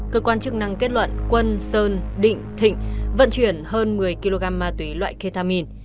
cơ quan chức năng kết luận quân sơn định thịnh vận chuyển hơn một mươi kg ma túy loại ketamin